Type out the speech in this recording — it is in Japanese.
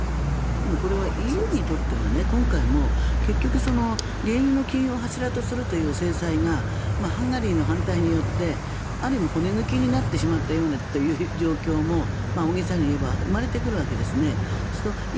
これはＥＵにとっては今回も結局原油の禁輸を柱とするという制裁がハンガリーの反対によってある意味骨抜きになってしまったという状況も大げさに言えば生まれてくるわけですね。